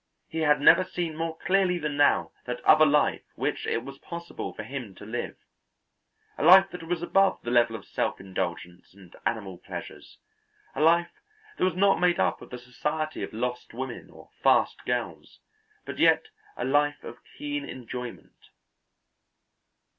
He had never seen more clearly than now that other life which it was possible for him to live, a life that was above the level of self indulgence and animal pleasures, a life that was not made up of the society of lost women or fast girls, but yet a life of keen enjoyment.